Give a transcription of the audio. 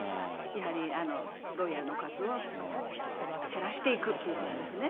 やはりロイヤルの数を減らしていくっていうことですね。